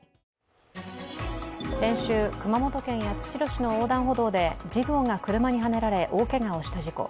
先週、熊本県八代市の横断歩道で児童が車にはねられ大けがをした事故。